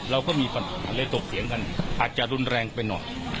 เราก็มีปัญหาเลยตกเถียงกันอาจจะรุนแรงไปหน่อย